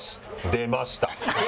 出ました！